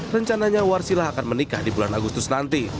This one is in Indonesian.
rencananya warsilah akan menikah di bulan agustus nanti